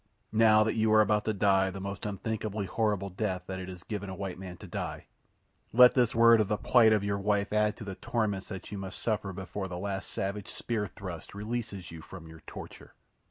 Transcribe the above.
"Now that you are about to die the most unthinkably horrid death that it is given a white man to die—let this word of the plight of your wife add to the torments that you must suffer before the last savage spear thrust releases you from your torture."